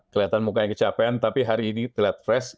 kelihatan mukanya kecapean tapi hari ini terlihat fresh